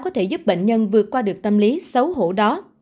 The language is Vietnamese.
có thể giúp bệnh nhân vượt qua được tâm lý xấu hổ đó